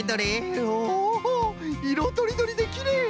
おいろとりどりできれい！